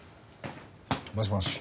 もしもし。